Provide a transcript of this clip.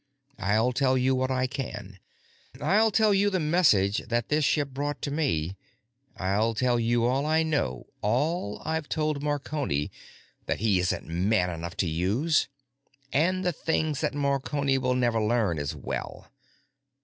I'll tell you what I can. I'll tell you the message that this ship brought to me. I'll tell you all I know, all I've told Marconi that he isn't man enough to use, and the things that Marconi will never learn, as well.